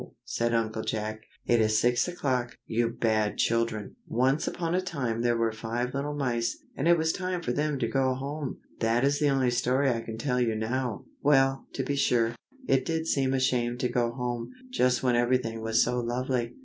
said Uncle Jack; "it is six o'clock, you bad children! Once upon a time there were five little mice, and it was time for them to go home. That is the only story I can tell you now." Well, to be sure, it did seem a shame to go home, just when everything was so lovely.